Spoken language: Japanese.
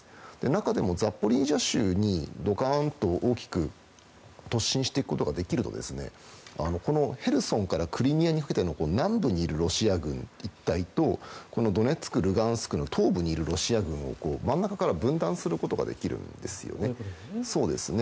中でもザポリージャ州にドカーンと大きく突進していくことができるとヘルソンからクリミアにかけての南部にいるロシア軍とドネツク、ルガンスクの東部にいるロシア軍を真ん中から分断することができるんですよね。